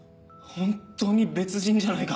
本当に別人じゃないか。